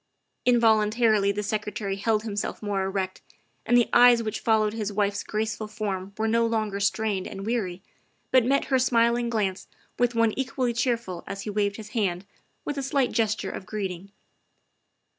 ' Involuntarily the Secretary held himself more erect, and the eyes which followed his wife's graceful form were no longer strained and weary, but met her smiling THE SECRETARY OF STATE 61 glance with one equally cheerful as he waved his hand with a slight gesture of greeting.